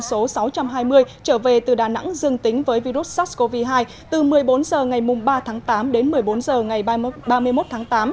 số sáu trăm hai mươi trở về từ đà nẵng dương tính với virus sars cov hai từ một mươi bốn h ngày ba tháng tám đến một mươi bốn h ngày ba mươi một tháng tám